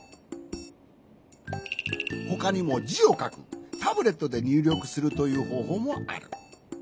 ほかにもじをかくタブレットでにゅうりょくするというほうほうもある。